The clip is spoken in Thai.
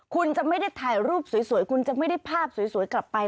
คุณจะไม่ได้ถ่ายรูปสวยคุณจะไม่ได้ภาพสวยกลับไป